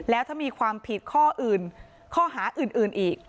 แล้วถ้ามีความผิดข้ออื่นข้อหาอื่นอีก